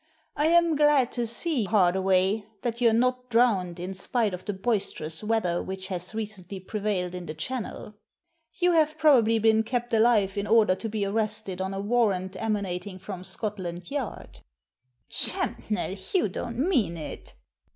"I am glad to see, Hardaway, that youVe not drowned, in spite of the boisterous weather which has recently prevailed in the Channel. You have probably been kept alive in order to be arrested on a warrant emanating from Scotland Yard." Digitized by VjOOQIC 26o THE SEEN AND THE UNSEEN " Champnell, you don't mean it